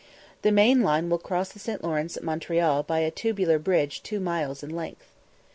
The main line will cross the St. Lawrence at Montreal by a tubular bridge two miles in length.